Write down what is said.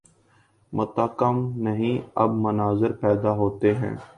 متکلم نہیں، اب مناظر پیدا ہوتے ہیں۔